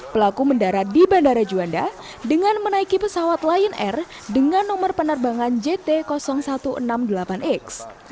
pelaku mendarat di bandara juanda dengan menaiki pesawat lion air dengan nomor penerbangan jt satu ratus enam puluh delapan x